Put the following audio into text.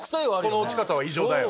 この落ち方は異常だよ。